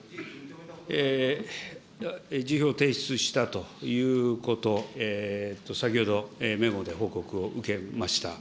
辞表を提出したということ、先ほど、メモで報告を受けました。